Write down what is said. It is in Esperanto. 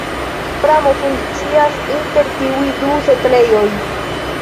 Pramo funkcias inter tiuj du setlejoj.